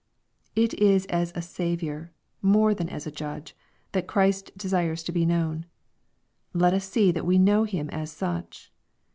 It is as a Saviour, more than as a Judge, that Christ desires to be known. Let us see that we know Him as such.